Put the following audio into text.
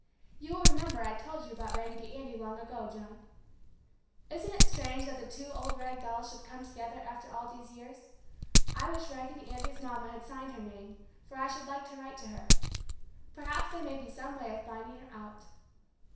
You will remember I told you about Raggedy Andy long ago, John. Isn't it strange that the two old rag dolls should come together after all these years? I wish Raggedy Andy's "Mama" had signed her name, for I should like to write to her. Perhaps there may be some way of finding her out.